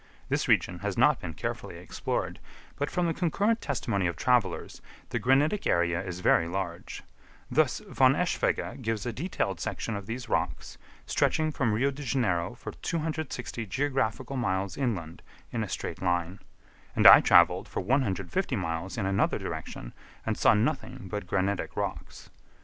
This region has not been carefully explored, but from the concurrent testimony of travellers, the granitic area is very large: thus Von Eschwege gives a detailed section of these rocks, stretching from Rio de Janeiro for 260 geographical miles inland in a straight line; and I travelled for 150 miles in another direction, and saw nothing but granitic rocks.